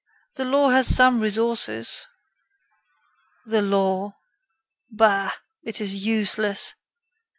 The law has some resources." "The law! Bah! it is useless.